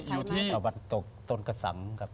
อยู่ที่ตะวันตกตนกระสังครับ